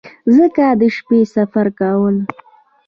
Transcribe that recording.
ځکه د شپې سفر کاوه.